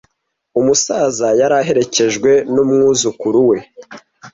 Umusaza yari aherekejwe numwuzukuru we.